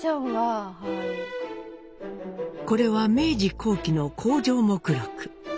これは明治後期の工場目録。